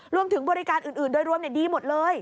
รวมถึงบริการอื่นโดยรวมดีหมดเลย